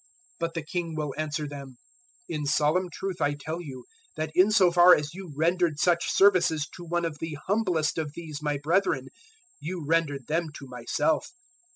025:040 "But the King will answer them, "`In solemn truth I tell you that in so far as you rendered such services to one of the humblest of these my brethren, you rendered them to myself.'